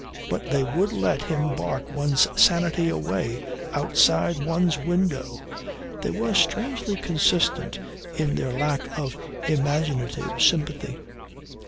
But they would let him bark one's sanity away outside one's window. They were strangely consistent in their lack of imaginative sympathy.